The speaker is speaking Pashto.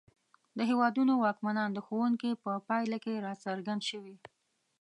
د هېوادونو واکمنان د ښوونکي په پایله کې راڅرګند شوي.